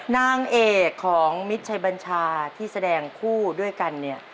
นางเอกของมิตรชัยบัญชาที่แสดงคู่ด้วยกันเนี่ย